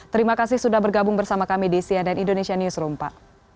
terima kasih sudah bergabung bersama kami di cnn indonesia newsroom pak